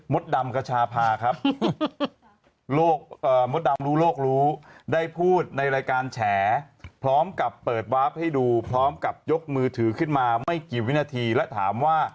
มดดำกระชาภาครับ